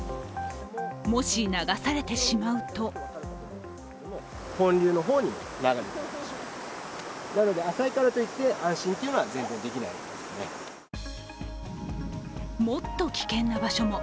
もし流されてしまうともっと危険な場所も。